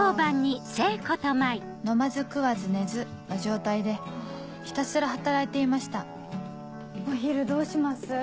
飲まず食わず寝ずの状態でひたすら働いていましたお昼どうします？